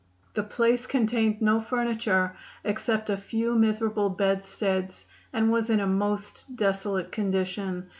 "The place contained no furniture except a few miserable bedsteads, and was in a most desolate condition.